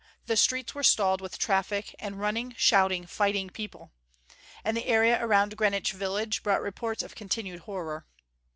The streets were stalled with traffic and running, shouting, fighting people. And the area around Greenwich Village brought reports of continued horror.